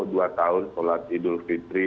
dua tahun sholat idul fitri